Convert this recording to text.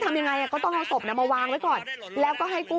ทำยังไงก็ต้องเอาศพมาวางไว้ก่อนแล้วก็ให้กู้